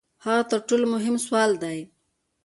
هغه تر ټولو مهم سوال دی.